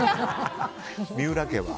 三浦家は？